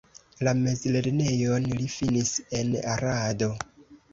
La mezlernejon li finis en Arado.